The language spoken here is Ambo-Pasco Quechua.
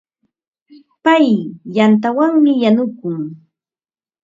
Pay yantawanmi yanukun.